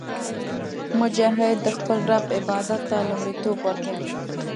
مجاهد د خپل رب عبادت ته لومړیتوب ورکوي.